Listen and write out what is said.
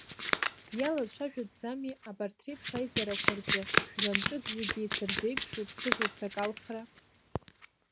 Иалацәажәатәӡами абарҭ реиԥш аизарақәа рҿы жәлантәык зегьы еицырзеиԥшу ԥсыжырҭак алхра?